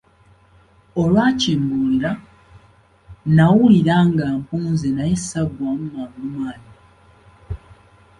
Olwakimbuulira, nawulira nga mpunze naye ssaggwaamu mangu maanyi.